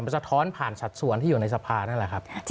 สะท้อนผ่านสัดส่วนที่อยู่ในสภานั่นแหละครับ